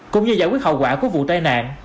cũng như giải quyết hậu quả của vụ tai nạn